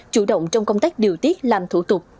chủ động trong công tác điều tiết làm thủ tục